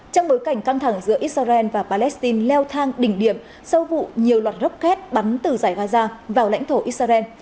trong bối cảnh căng thẳng giữa israel và palestine leo thang đỉnh điểm sau vụ nhiều loạt rocket bắn từ giải gaza vào lãnh thổ israel